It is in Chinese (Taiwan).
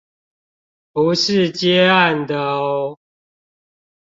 不是接案的喔